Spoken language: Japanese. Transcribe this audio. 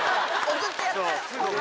「送ってやったよ」。